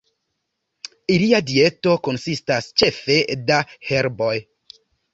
Ilia dieto konsistas ĉefe da herboj.